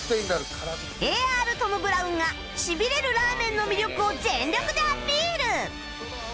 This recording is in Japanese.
ＡＲ トム・ブラウンがシビれるラーメンの魅力を全力でアピール！